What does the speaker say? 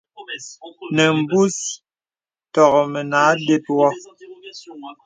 Nə̀ bùs tōk mə a dəp wɔ.